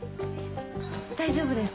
大丈夫です。